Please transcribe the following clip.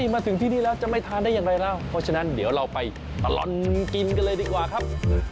มาถึงที่นี่แล้วจะไม่ทานได้อย่างไรแล้วเพราะฉะนั้นเดี๋ยวเราไปตลอดกินกันเลยดีกว่าครับ